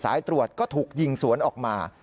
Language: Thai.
สายตรวจก็ถูกยิงสวนออกมา